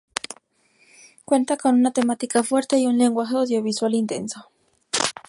Cuenta con una temática fuerte y un lenguaje audiovisual intenso.